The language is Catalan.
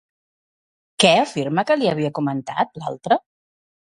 Què afirma que li havia comentat, l'altra?